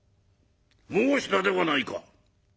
「申したではないか。